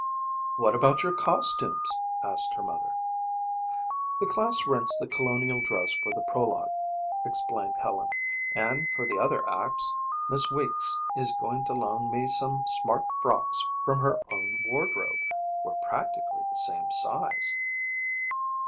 "What about your costumes?" asked her mother. "The class rents the colonial dress for the prologue," explained Helen, "and for the other acts Miss Weeks is going to loan me some smart frocks from her own wardrobe. We're practically the same size."